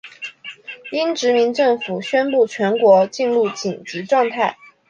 英殖民政府宣布全国进入紧急状态。